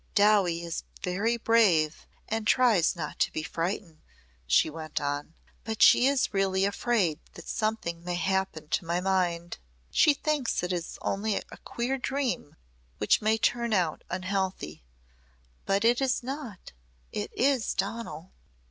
"Dowie is very brave and tries not to be frightened," she went on; "but she is really afraid that something may happen to my mind. She thinks it is only a queer dream which may turn out unhealthy. But it is not. It is Donal."